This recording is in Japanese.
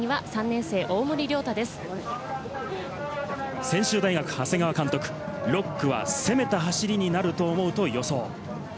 １０区には３年生・大森椋専修大・学長谷川監督、６区は攻めた走りになると思うと予想。